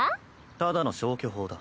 ただの消去法だ。